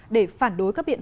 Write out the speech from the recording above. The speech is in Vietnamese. để phản đối các bệnh viện